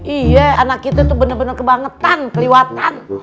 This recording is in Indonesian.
iya anak kita tuh bener bener kebangetan kelihatan